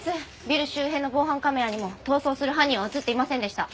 ビル周辺の防犯カメラにも逃走する犯人は映っていませんでした。